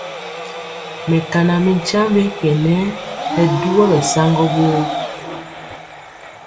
Mɛkana mi nkyambe ke nɛ, hɛ duwɔ ɓɛ saŋgɔ woo.